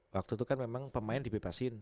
waktu itu kan memang pemain dibebasin